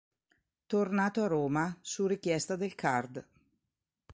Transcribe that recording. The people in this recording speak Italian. Tornato a Roma, su richiesta del card.